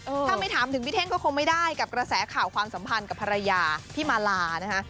ถ้าไม่ถามถึงพี่เท่งก็คงไม่ได้กับกระแสข่าวความสัมพันธ์กับภรรยาพี่มาลานะคะ